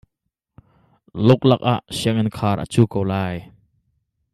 Luklak ah sianginn khar a cu ko lai.